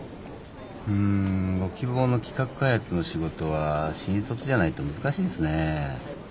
うんご希望の企画開発の仕事は新卒じゃないと難しいですね。